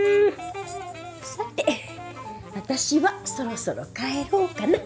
さて私はそろそろ帰ろうかな。